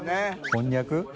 こんにゃく？